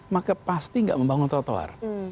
maka pasti tidak membangun trotoar